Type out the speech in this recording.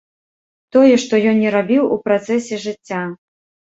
Тое, што ён не рабіў у працэсе жыцця.